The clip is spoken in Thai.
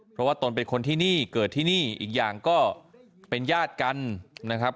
เพราะว่าตนเป็นคนที่นี่เกิดที่นี่อีกอย่างก็เป็นญาติกันนะครับ